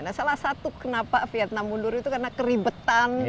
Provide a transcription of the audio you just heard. nah salah satu kenapa vietnam mundur itu karena keribetan